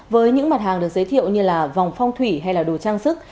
với những mặt hàng được giới thiệu như là vòng phong thủy hay đồ trang sức